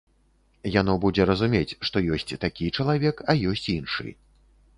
Яно будзе разумець, што ёсць такі чалавек, а ёсць іншы.